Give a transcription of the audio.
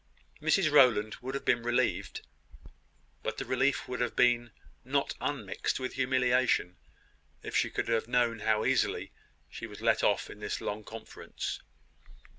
Mrs Rowland would have been relieved, but the relief would have been not unmixed with humiliation, if she could have known how easily she was let off in this long conference.